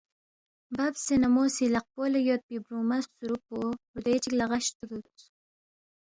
ببسے نہ مو سی لقپو لہ یودپی بُورُوما خسُوروب پو ردوے چِک لہ غَش ترُودس